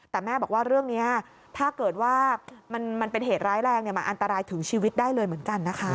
แต่แม่บอกว่าเรื่องนี้ถ้าเกิดว่ามันเป็นเหตุร้ายแรงมันอันตรายถึงชีวิตได้เลยเหมือนกันนะคะ